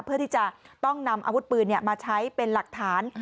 เพื่อที่จะต้องนำอาวุธปืนมาใช้เป็นหลักฐาน